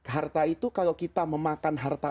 harta itu kalau kita memakan harta